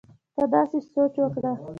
ته داسې سوچ وکړه